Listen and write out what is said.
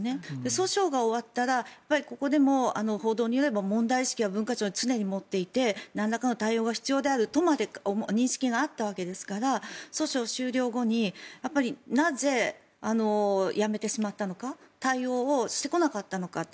訴訟が終わったらここでも報道によれば問題意識は文化庁は常に持っていてなんらかの対応が必要であるとまで認識があったわけですから訴訟終了後になぜやめてしまったのか対応をしてこなかったのか。